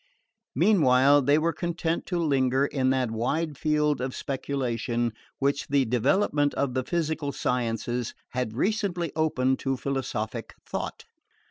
Meanwhile they were content to linger in that wide field of speculation which the development of the physical sciences had recently opened to philosophic thought.